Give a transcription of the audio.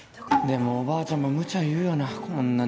でもおばあちゃんも無茶いうよな。